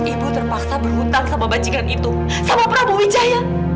ibu terpaksa berhutang sama bajikan itu sama prabowo wijaya